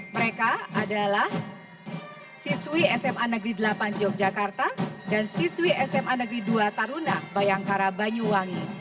mereka adalah siswi sma negeri delapan yogyakarta dan siswi sma negeri dua taruna bayangkara banyuwangi